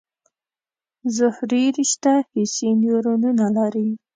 ظهري رشته حسي نیورونونه لري.